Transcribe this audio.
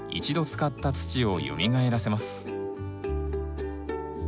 使った土をよみがえらせます。